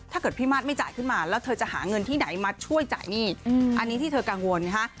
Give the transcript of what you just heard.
ถ้าเกิดพี่มาสไม่จ่ายขึ้นมาแล้วเธอจะหาเงินที่ไหนมาช่วยจ่ายหนี้อันนี้ที่เธอกังวลนะฮะ